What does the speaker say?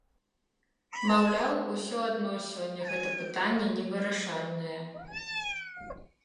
Маўляў, усё адно сёння гэта пытанне невырашальнае.